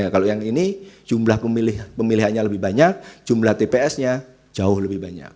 kalau yang ini jumlah pemilihannya lebih banyak jumlah tps nya jauh lebih banyak